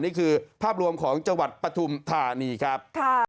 นี่คือภาพรวมของจังหวัดปฐุมธานีครับ